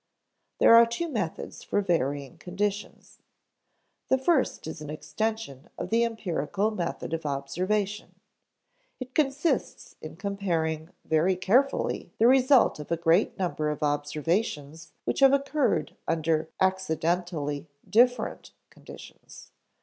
There are two methods for varying conditions. The first is an extension of the empirical method of observation. It consists in comparing very carefully the results of a great number of observations which have occurred under accidentally different conditions.